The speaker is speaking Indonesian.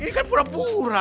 ini kan pura pura